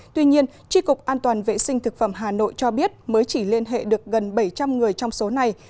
tuy nhiên tri cục an toàn vệ sinh thực phẩm hà nội cho biết mới chỉ liên hệ được gần bảy trăm linh người trong số này